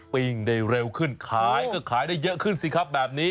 ปิ้งได้เร็วขึ้นขายก็ขายได้เยอะขึ้นสิครับแบบนี้